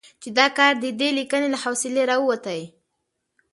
چې دا کار د دې ليکنې له حوصلې راوتې